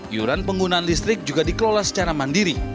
iuran penggunaan listrik juga dikelola secara mandiri